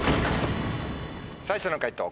最初の解答